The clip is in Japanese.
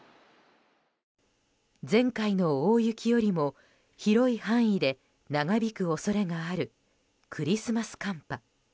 前回の大雪よりも広い範囲で長引く恐れがあるクリスマス寒波。